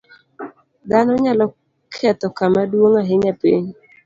Dhano nyalo ketho kama duong' ahinya e piny.